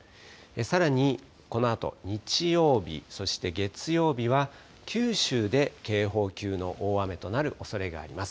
さらに、このあと日曜日、そして月曜日は九州で警報級の大雨となるおそれがあります。